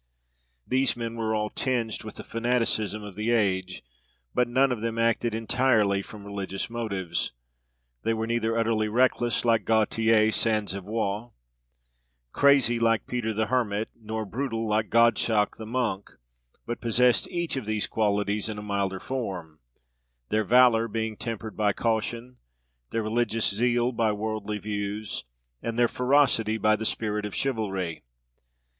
These men were all tinged with the fanaticism of the age, but none of them acted entirely from religious motives. They were neither utterly reckless like Gautier sans Avoir, crazy like Peter the Hermit, nor brutal like Gottschalk the Monk, but possessed each of these qualities in a milder form; their valour being tempered by caution, their religious zeal by worldly views, and their ferocity by the spirit of chivalry.